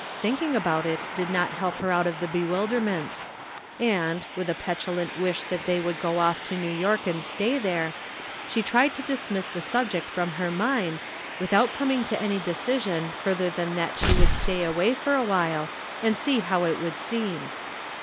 Thinking about it did not help her out of the bewilderments ; and, with a petulant wish that they would go off to New York and stay there, she tried to dismiss the subject irom her mind, without coming to any decision further than that she would stay away for awhile, and see how it would seem.